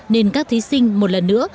nên các thí sinh một lần nữa